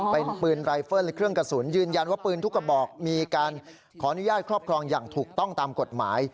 เป็นปืนรายเฟิลและเครื่องกระสุนยืนยันว่าปืนทุกกระบอกมีการขออนุญาตครอบครองอย่างถูกต้องตามกฎหมาย